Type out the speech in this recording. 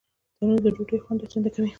تنور د ډوډۍ خوند دوه چنده کوي